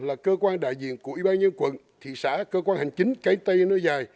là cơ quan đại diện của ủy ban nhân quận thị xã cơ quan hành chính cái tây nơi dài